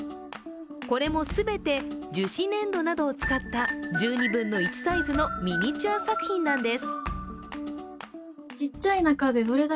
これも全て樹脂粘土などを使った１２分の１サイズのミニチュア作品なんです。